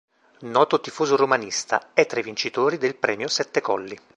Noto tifoso romanista, è tra i vincitori del Premio “Sette Colli”.